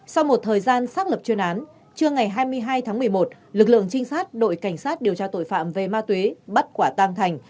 sau một thời gian xác lập chuyên án trưa ngày hai mươi hai tháng một mươi một lực lượng trinh sát đội cảnh sát điều tra tội phạm về ma túy bắt quả tang thành